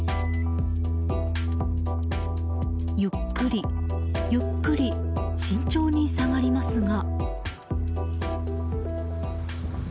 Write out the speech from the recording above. ゆっくり、ゆっくり慎重に下がりますが。